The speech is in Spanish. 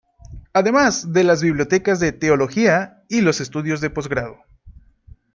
Además de las bibliotecas de teología y los estudios de posgrado.